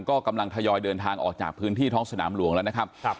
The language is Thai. ก็กำลังทยอยเดินทางออกจากพื้นที่ท้องสนามหลวงแล้วนะครับ